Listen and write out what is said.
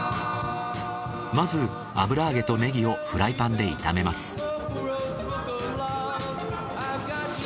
まず油揚げとネギをフライパンで炒めます。